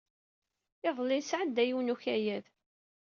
Iḍelli nesɛedda yiwen n ukayad.